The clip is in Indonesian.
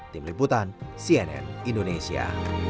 tim liputan cnn indonesia